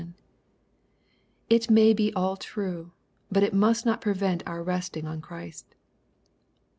It may be all true, but it must not prevent our resting on Christ.